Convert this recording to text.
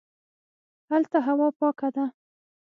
هلته هوا پاکه ده